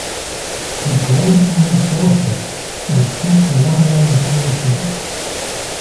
He played only four Tests and six One Day Internationals.